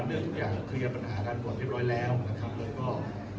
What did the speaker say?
เรื่องทุกอย่างเคลียร์ปัญหากันหมดเรียบร้อยแล้วนะครับแล้วก็